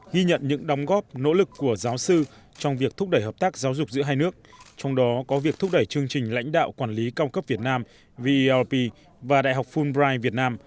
ghi nhận những đóng góp nỗ lực của giáo sư trong việc thúc đẩy hợp tác giáo dục giữa hai nước trong đó có việc thúc đẩy chương trình lãnh đạo quản lý cao cấp việt nam velp và đại học fulbright việt nam